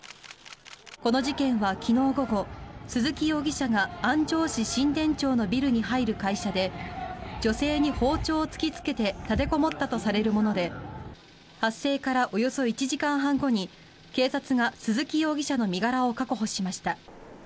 この事件は昨日午後鈴木容疑者が安城市新田町のビルに入る会社で女性に包丁を突きつけて立てこもったとされるもので発生からおよそ１時間半後に警察が鈴木容疑者の身柄を確保しました。